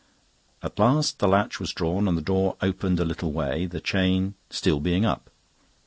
At last the latch was drawn and the door opened a little way, the chain still being up.